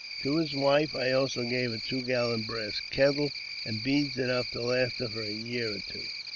To his wife I also gave a two gallon brass kettle, and beads enough to last her for a year or two.